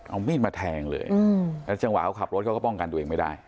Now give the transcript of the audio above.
เอามีดมาแทงเลยแล้วจังหวะเขาขับรถเขาก็ป้องกันตัวเองไม่ได้